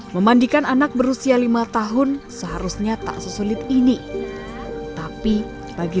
memandikan anak berusia lima tahun seharusnya tak sesulit ini tapi bagi